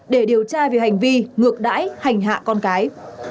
để điều tra về hành vi ngược đãi hành hạ con cái